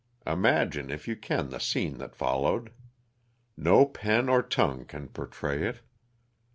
Imagine, if you can, the scene that fol lowed. No pen or tongue can portray it.